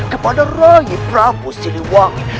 kepada raih prabu siliwangi